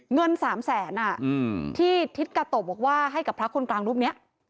เงิน๓แสนที่ทิศกาโตะบอกว่าให้กับพระคนกลางรูปนี้